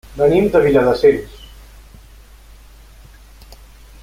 Venim de Viladasens.